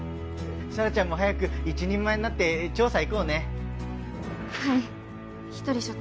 サラちゃんも早く一人前になって調査行こうねはいひとり所長